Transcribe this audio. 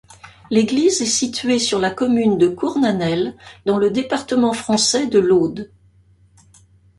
L'église est située sur la commune de Cournanel, dans le département français de l'Aude.